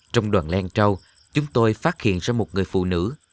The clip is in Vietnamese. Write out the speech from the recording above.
trong đoàn len trâu chúng tôi phát hiện ra một người phụ nữ